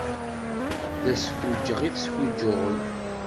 D asfuǧǧeɣ i tesfuǧǧuɣem.